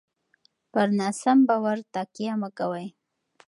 پر ناسم باور تکیه مه کوئ.